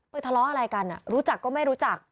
ทะเลาะอะไรกันรู้จักก็ไม่รู้จัก